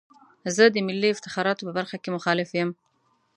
زه د ملي افتخاراتو په برخه کې مخالف یم.